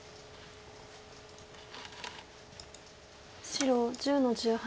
白１０の十八。